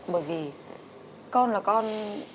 bởi vì con là con